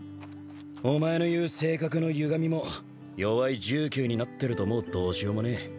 お前の言う性格のゆがみもよわい１９になってるともうどうしようもねえ。